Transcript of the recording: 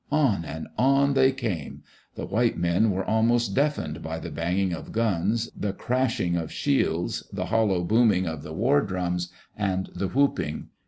On and on they came I The white men were ahnost deaf ened by the banging of guns, the crashing of shields, the hollow booming of the war drums, and the whooping.